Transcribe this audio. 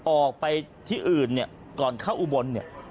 ออกไปที่อื่นก่อนเข้าอุบล